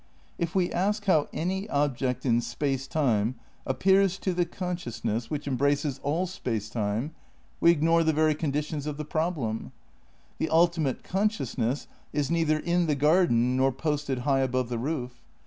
If we ask how any ob ject in Space Time appears to the consciousness which 258 THE NEW IDEALISM vn embraces all Space Time, we ignore the very conditions of the problem. The ultimate consciousness is neither in the garden nor posted high above the roof.